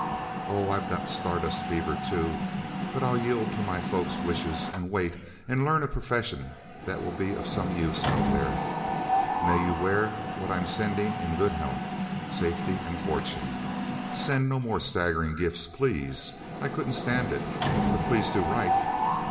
Oh, I've got Stardust fever, too, but I'll yield to my folks' wishes and wait, and learn a profession that will be of some use Out There. May you wear what I'm sending in good health, safety and fortune. Send no more staggering gifts, please I couldn't stand it but please do write.